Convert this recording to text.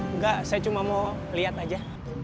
enggak saya cuma mau lihat aja